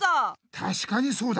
たしかにそうだ。